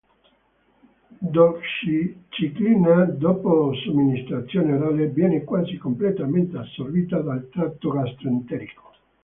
Doxiciclina dopo somministrazione orale viene quasi completamente assorbita dal tratto gastroenterico.